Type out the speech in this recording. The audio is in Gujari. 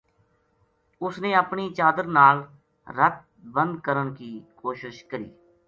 اس نے اپنی چادر نال رَت بند کرن کی کوشش کری